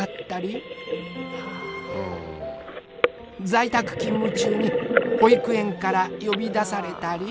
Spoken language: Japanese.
在宅勤務中に保育園から呼び出されたり。